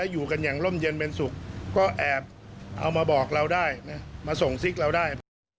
อยู่กันอย่างร่มเย็นเป็นสุขก็แอบเอามาบอกเราได้นะมาส่งซิกเราได้